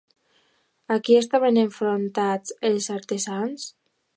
A qui estaven enfrontats els artesans?